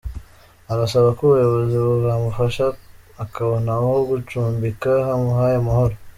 Arasaba ko ubuyobozi bwamufasha akabona aho gucumbika hamuhaye amahoro.